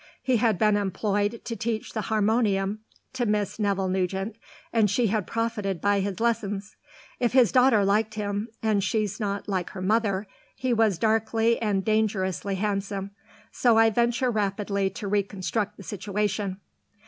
He had been employed to teach the harmonium to Miss Neville Nugent and she had profited by his lessons. If his daughter's like him and she's not like her mother he was darkly and dangerously handsome. So I venture rapidly to reconstruct the situation."